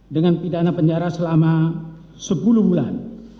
dengan pidana penjara selama sepuluh bulan